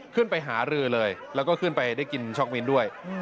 ไปหารือเลยแล้วก็ขึ้นไปได้กินช็อกมิ้นด้วย